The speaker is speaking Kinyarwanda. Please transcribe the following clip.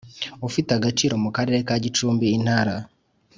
ufite icyicaro mu Karere ka Gicumbi Intara